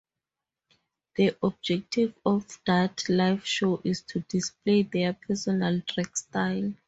The objective of that live show is to display their personal drag style.